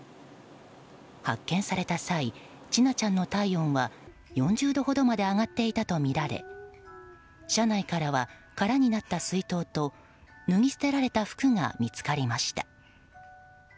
発見された際千奈ちゃんの体温は４０度ほどまで上がっていたとみられ車内からは空になった水筒と脱ぎ捨てられた服が見つかりました。